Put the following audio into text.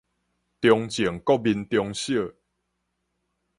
中正國民中小